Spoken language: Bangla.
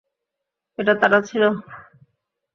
এটা তারা ছিল!